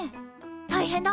大変だ！